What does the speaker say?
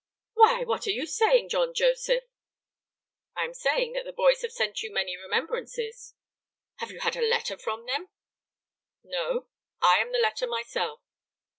"Why, what are you saying, John Joseph?" "I am saying that the boys have sent you many remembrances." "Have you had a letter from them?" "No, I am the letter myself."